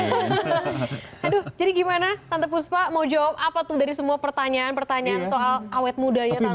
aduh jadi gimana tante puspa mau jawab apa tuh dari semua pertanyaan pertanyaan soal awet mudanya tante